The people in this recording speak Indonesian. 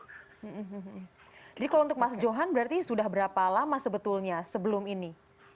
jadi kalau untuk mas johan berarti sudah berapa lama sebetulnya sebelum ini